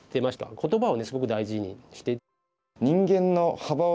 言葉をすごく大事にして。